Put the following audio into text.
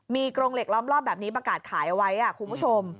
มีกรงเหล็กล้อมรอบแบบนี้ประกาศขายเอาไว้คุณผู้ชม